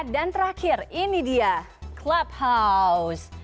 dan terakhir ini dia clubhouse